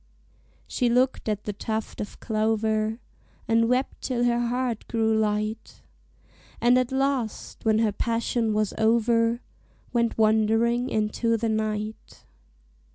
She looked at the tuft of clover, And wept till her heart grew light; And at last, when her passion was over, Went wandering into the night.